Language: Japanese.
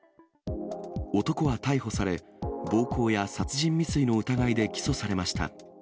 男は逮捕され、暴行や殺人未遂の疑いで起訴されました。